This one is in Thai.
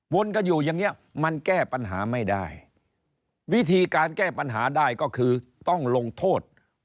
วนกันอยู่อย่างเงี้ยมันแก้ปัญหาไม่ได้วิธีการแก้ปัญหาได้ก็คือต้องลงโทษ